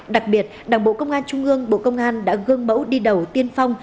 đặc biệt đảng bộ công an trung ương bộ công an đã gương mẫu đi đầu tiên phong